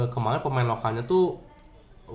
kemarin pemain lokalnya tuh